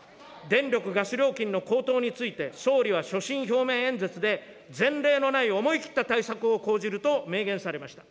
電力・ガス料金の高騰について総理は所信表明演説で、前例のない、思い切った対策を講じると明言されました。